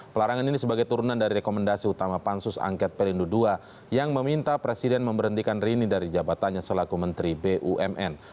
pelarangan ini sebagai turunan dari rekomendasi utama pansus angket perindu ii yang meminta presiden memberhentikan rini dari jabatannya selaku menteri bumn